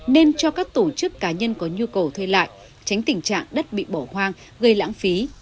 nên cho các tổ chức cá nhân có nhu cầu thuê lại tránh tình trạng đất bị bỏ hoang gây lãng phí